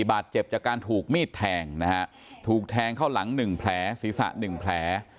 บาดเจ็บจากการถูกมีดแทงนะฮะถูกแทงเข้าหลัง๑แผลศีรษะ๑แผล